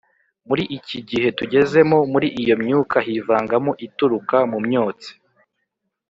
muri iki gihe tugezemo, muri iyo myuka hivangamo ituruka mu myotsi